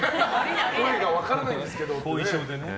声が分らないんですけどってね。